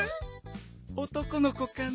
おとこの子かな？